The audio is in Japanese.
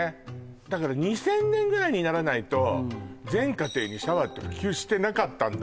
だから２０００年ぐらいにならないと全家庭にシャワーって普及してなかったんだ